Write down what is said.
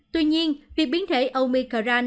tuy nhiên việc biến thể omicron đã được phát triển